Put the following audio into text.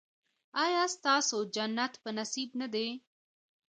ایا ستاسو جنت په نصیب نه دی؟